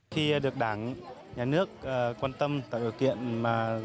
khi được đảng nhà nước quan tâm tại ưu kiện mà